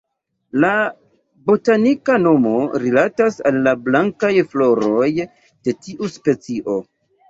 La botanika nomo rilatas al la blankaj floroj de tiu specio.